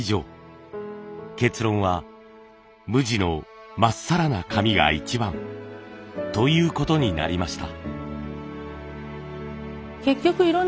結論は無地のまっさらな紙が一番ということになりました。